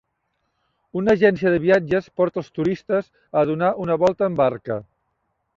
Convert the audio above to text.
Una agència de viatges porta als turistes a donar una volta en barca.